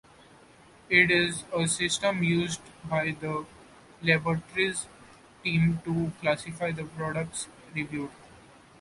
It is a system used by the laboratory's team to classify the products reviewed.